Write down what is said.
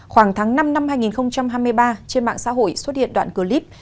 khoảng tháng năm năm hai nghìn hai mươi ba trên mạng xã hội xuất hiện đoạn clip